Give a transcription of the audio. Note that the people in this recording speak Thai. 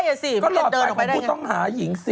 หลอดไฟของพวกต้องหานี่เสีย